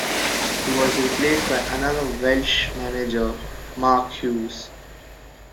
He was replaced by another Welsh manager, Mark Hughes.